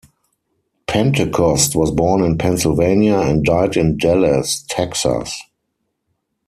Pentecost was born in Pennsylvania and died in Dallas, Texas.